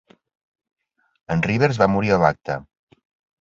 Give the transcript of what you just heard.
En Rivers va morir a l'acte.